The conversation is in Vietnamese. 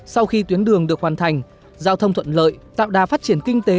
sau khi tuyến đường được hoàn thành giao thông thuận lợi tạo đà phát triển kinh tế